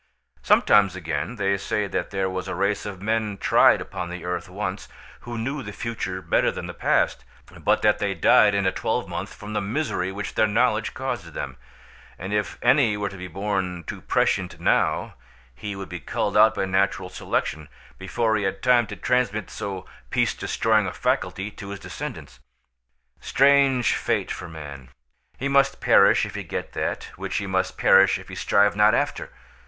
Sometimes, again, they say that there was a race of men tried upon the earth once, who knew the future better than the past, but that they died in a twelvemonth from the misery which their knowledge caused them; and if any were to be born too prescient now, he would be culled out by natural selection, before he had time to transmit so peace destroying a faculty to his descendants. Strange fate for man! He must perish if he get that, which he must perish if he strive not after.